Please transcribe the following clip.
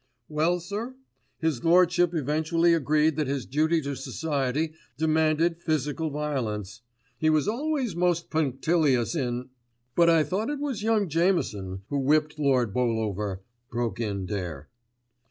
"Well, sir, his Lordship eventually agreed that his duty to Society demanded physical violence. He was always most punctilious in——" "But I thought it was young Jameson who whipped Lord Beaulover," broke in Dare.